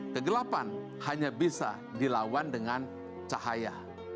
kegelapan hanya bisa dilawan dengan cahaya